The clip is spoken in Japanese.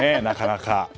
なかなか。